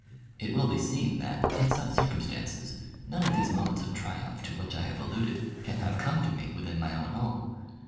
It will be seen that, in such circumstances, none of these moments of triumph to which I have alluded can have come to me within my own home.